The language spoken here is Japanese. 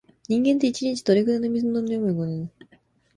人間って、一日にどれくらいの量の水を飲むのが理想的なんだろう。